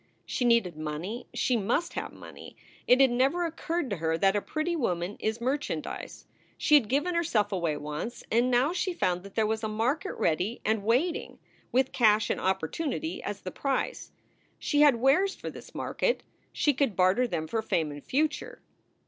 She needed money. She must have money. It had never occurred to her that a pretty woman is merchandise. She had given herself away once, and now she found that there was a market ready ,and waiting, with cash and opportunity as the price. She had wares for this market. She could barter them for fame and future.